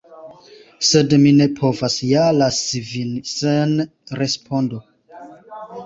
Sed mi ne povas ja lasi vin sen respondo.